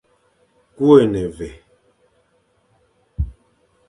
Ku é ne mvè.